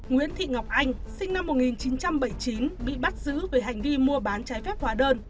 nguyễn thị ngọc anh sinh năm một nghìn chín trăm bảy mươi chín bị bắt giữ về hành vi mua bán trái phép hóa đơn